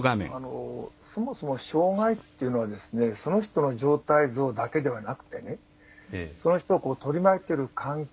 そもそも障害っていうのはその人の状態像だけではなくてその人を取り巻いている環境。